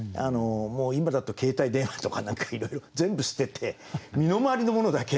もう今だと携帯電話とか何かいろいろ全部捨てて身の回りの物だけ。